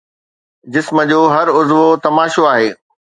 جسم جو هر عضوو تماشو آهي